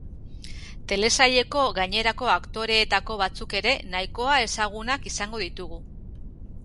Telesaileko gainerako aktoreetako batzuk ere nahikoa ezagunak izango ditugu.